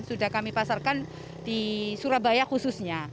sudah kami pasarkan di surabaya khususnya